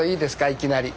いきなり。